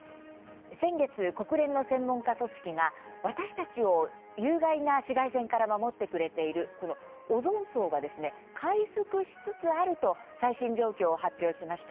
先月国連の専門家組織が私たちを有害な紫外線から守ってくれているこのオゾン層がですね回復しつつあると最新状況を発表しました。